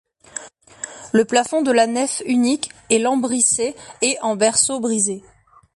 Le plafond de la nef unique est lambrissé et en berceau brisé.